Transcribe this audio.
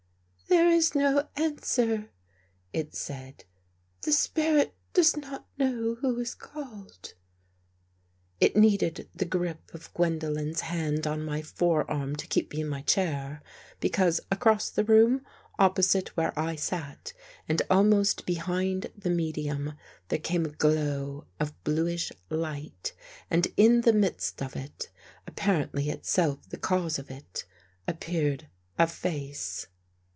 " There is no answer," it said. " The spirit does not know who is called." It needed the grip of Gwendolen's hand on my forearm to keep me in my chair. Because across the room, opposite where I sat, and almost behind the medium, there came a glow of bluish light. And in the midst of it, apparently itself the cause of it, ap peared a face.